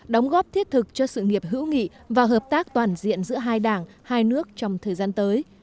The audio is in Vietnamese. đóng góp thiết thực cho sự nghiệp hữu nghị và hợp tác toàn diện giữa hai đảng hai nước trong thời gian tới